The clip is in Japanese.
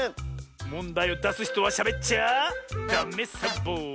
もんだいをだすひとはしゃべっちゃダメサボ！